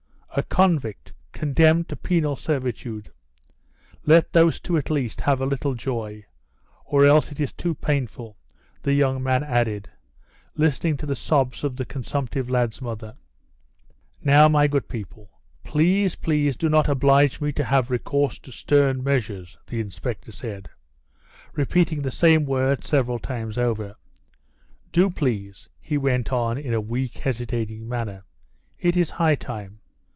"A convict, condemned to penal servitude. Let those two at least have a little joy, or else it is too painful," the young man added, listening to the sobs of the consumptive lad's mother. "Now, my good people! Please, please do not oblige me to have recourse to severe measures," the inspector said, repeating the same words several times over. "Do, please," he went on in a weak, hesitating manner. "It is high time.